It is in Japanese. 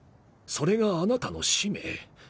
それがあなたの使命。